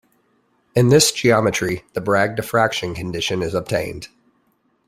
In this geometry the Bragg diffraction condition is obtained.